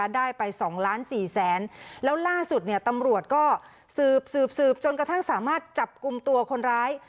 ได้ไปสองล้านสี่แสนแล้วล่าสุดเนี่ยตำรวจก็สืบสืบจนกระทั่งสามารถจับกลุ่มตัวคนร้าย